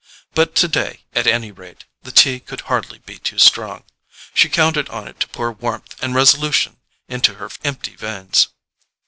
But today, at any rate, the tea could hardly be too strong: she counted on it to pour warmth and resolution into her empty veins.